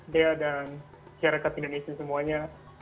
dea dan syarikat indonesia semuanya